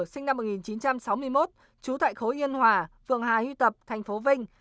sinh năm một nghìn chín trăm sáu mươi một trú tại khối yên hòa phường hà huy tập thành phố vinh